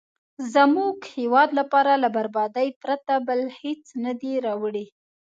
زموږ هیواد لپاره له بربادۍ پرته بل هېڅ نه دي راوړي.